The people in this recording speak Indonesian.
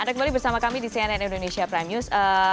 anda kembali bersama kami di cnn indonesia prime news